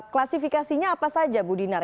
klasifikasinya apa saja bu dinar